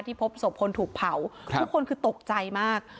พบศพคนถูกเผาทุกคนคือตกใจมาก